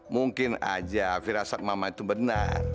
mungkin aja firasat mama itu benar